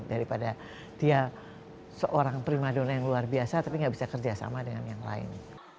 daripada dia seorang primadona yang luar biasa tapi gak bisa kerjasama dengan yang lain